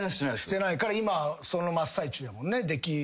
してないから今その真っ最中やもんね。